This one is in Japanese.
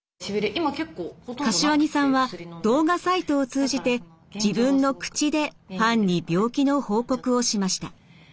柏木さんは動画サイトを通じて自分の口でファンに病気の報告をしました。